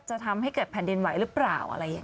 จะทำให้เกิดแผ่นดินไหวหรือเปล่าอะไรอย่างนี้